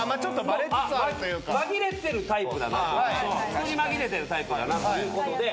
人に紛れてるタイプだなということで。